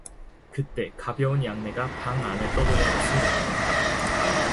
그때 가벼운 약내가 방 안에 떠도는 것을 느꼈다.